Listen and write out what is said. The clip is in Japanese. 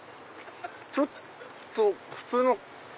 ちょっと普通の。